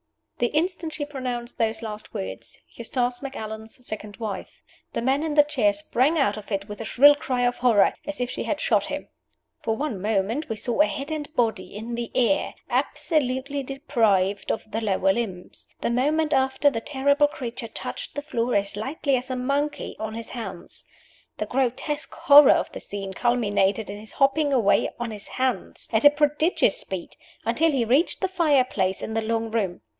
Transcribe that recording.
The instant she pronounced those last words, "Eustace Macallan's second wife," the man in the chair sprang out of it with a shrill cry of horror, as if she had shot him. For one moment we saw a head and body in the air, absolutely deprived of the lower limbs. The moment after, the terrible creature touched the floor as lightly as a monkey, on his hands. The grotesque horror of the scene culminated in his hopping away on his hands, at a prodigious speed, until he reached the fire place in the long room.